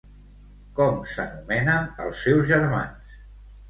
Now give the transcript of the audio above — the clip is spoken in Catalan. Com s'anomenen els seus germans?